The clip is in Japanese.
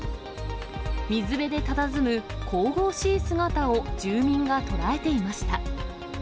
水辺でたたずむ神々しい姿を住民が捉えていました。